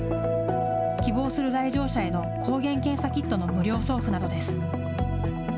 希望する来場者への抗原検査キットの無料送付などです。